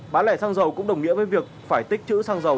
bán lẻ xăng dầu cũng đồng nghĩa với việc phải tích chữ xăng dầu